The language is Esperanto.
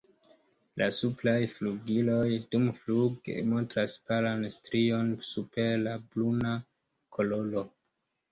La supraj flugiloj dumfluge montras palan strion super la bruna koloro.